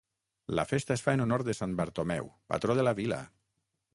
La festa es fa en honor de sant Bartomeu, patró de la vila.